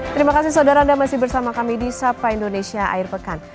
terima kasih saudara anda masih bersama kami di sapa indonesia air pekan